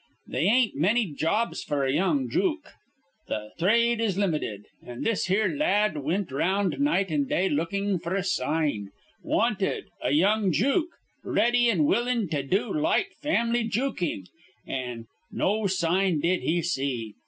"They ain't manny jobs f'r a young jook. Th' thrade is limited; an' this here la ad wint round night an' day lookin' f'r a sign, 'Wanted, a young jook, r ready an' willin' to do light family jookin',' an' no sign did he see.